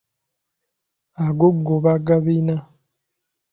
Ago go bagabina.